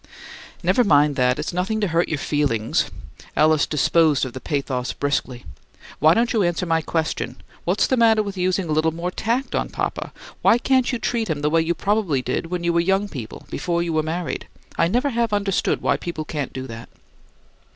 "Never mind that; it's nothing to hurt your feelings." Alice disposed of the pathos briskly. "Why don't you answer my question? What's the matter with using a little more tact on papa? Why can't you treat him the way you probably did when you were young people, before you were married? I never have understood why people can't do that."